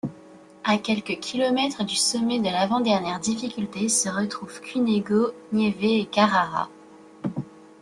À quelques kilomètres du sommet de l'avant-dernière difficulté se retrouvent Cunego, Nieve et Carrara.